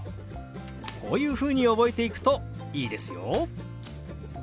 こういうふうに覚えていくといいですよ。